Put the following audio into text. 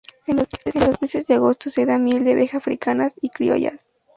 En los meses de agosto se da miel de abejas africanas y criollas.